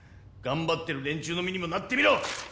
頑張ってる連中の身にもなってみろ！